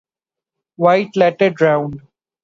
White later drowned.